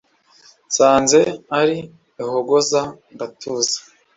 nsanze ari ihogoza ndatuza